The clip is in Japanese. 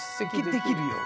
できるよ？